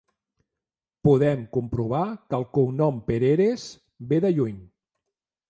Podem comprovar que el cognom Pereres ve de lluny.